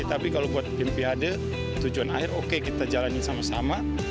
tapi kalau buat olimpiade tujuan akhir oke kita jalanin sama sama